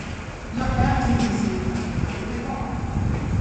Jag äter inte sniglar, jag är vegan.